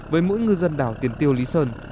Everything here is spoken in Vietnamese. với mỗi ngư dân đảo tiền tiêu lý sơn